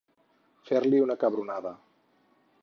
Fer-li una cabronada.